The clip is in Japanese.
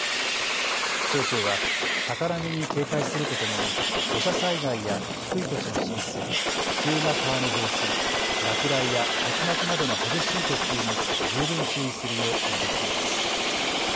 気象庁は、高波に警戒するとともに、土砂災害や低い土地の浸水、急な川の増水、落雷や竜巻などの激しい突風に十分注意するよう呼びかけています。